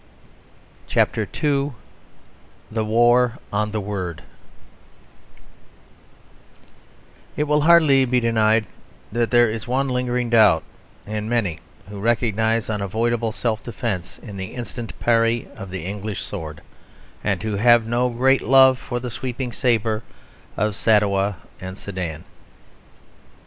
I THE WAR ON THE WORD It will hardly be denied that there is one lingering doubt in many, who recognise unavoidable self defence in the instant parry of the English sword, and who have no great love for the sweeping sabre of Sadowa and Sedan.